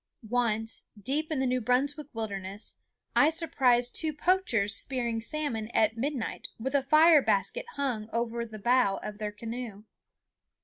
Once, deep in the New Brunswick wilderness, I surprised two poachers spearing salmon at midnight with a fire basket hung over the bow of their canoe.